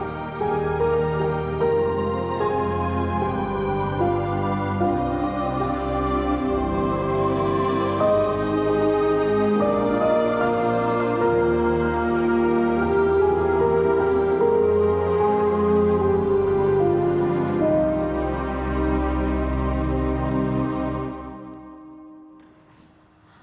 aku mau jagain kamu